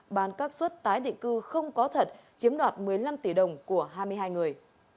bán các suất tái định cư không có thật chiếm đoạt một mươi năm tỷ đồng của hai mươi hai người